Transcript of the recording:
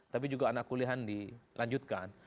tapi juga anak kuliahan dilanjutkan